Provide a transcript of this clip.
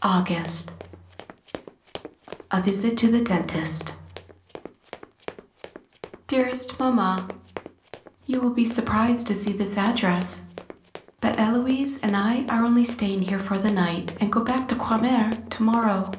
[Sidenote: A Visit to the Dentist] Dearest Mamma, You will be surprised to see this address, but Héloise and I are only staying here for the night, and go back to Croixmare to morrow.